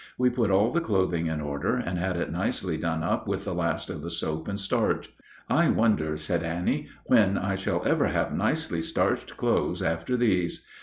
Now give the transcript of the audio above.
We put all the clothing in order, and had it nicely done up with the last of the soap and starch. "I wonder," said Annie, "when I shall ever have nicely starched clothes after these?